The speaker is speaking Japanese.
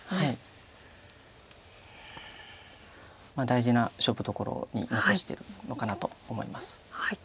大事な勝負どころに残してるのかなと思います。